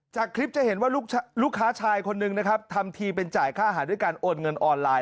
จากคลิปจะเห็นว่าลูกค้าชายคนหนึ่งนะครับทำทีเป็นจ่ายค่าอาหารด้วยการโอนเงินออนไลน์